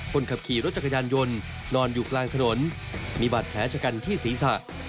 คนขับขี่รถจักรยานยนต์นอนอยู่กลางถนนมีบาดแผลชะกันที่ศีรษะ